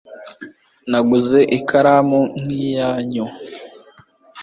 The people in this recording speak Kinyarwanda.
naguze ikaramu nkiyanyu ejo